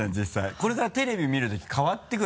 これからテレビ見る時変わってくる？